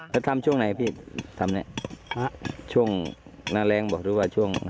แล้วทำช่วงไหนพี่ทำเนี่ยช่วงหน้าแรงบอกหรือว่าช่วง